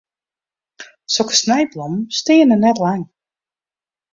Sokke snijblommen steane net lang.